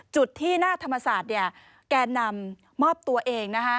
จุดที่หน้าธรรมศาสตร์แกนนำมอบตัวเอง